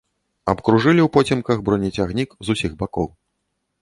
Абкружылі ўпоцемках бронецягнік з усіх бакоў.